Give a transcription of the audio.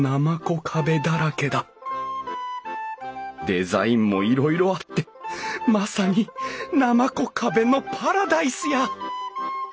デザインもいろいろあってまさになまこ壁のパラダイスや！